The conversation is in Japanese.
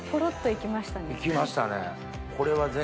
いきましたね。